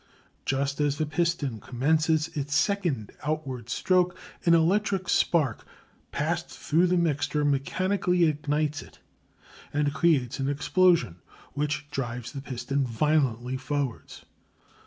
Just as the piston commences its second outward stroke an electric spark passed through the mixture mechanically ignites it, and creates an explosion, which drives the piston violently forwards.